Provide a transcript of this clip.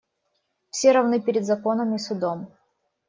Все равны перед законом и судом.